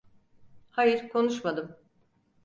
Hayır, konuşmadım.